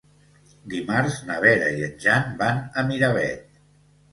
Dimarts na Vera i en Jan van a Miravet.